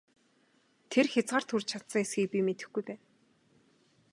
Тэр хязгаарт хүрч чадсан эсэхийг би мэдэхгүй байна!